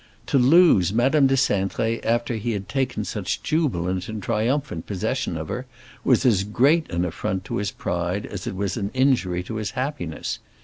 To lose Madame de Cintré after he had taken such jubilant and triumphant possession of her was as great an affront to his pride as it was an injury to his happiness.